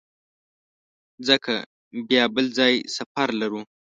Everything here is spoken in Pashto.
ځکه بیا بل ځای سفر لرو.